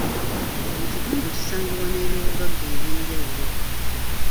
Buli kitundu kisangibwa n’ebyobugagga eby’enjawulo.